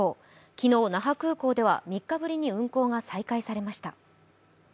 昨日、那覇空港では３日ぶりに運航が再開されました。